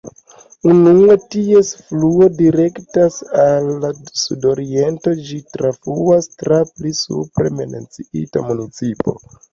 Unue ties fluo direktas al sudoriento, ĝi trafluas tra pli supre menciita municipo.